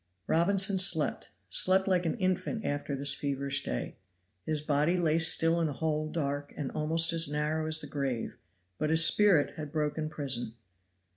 Robinson slept slept like an infant after this feverish day. His body lay still in a hole dark and almost as narrow as the grave, but his spirit had broken prison.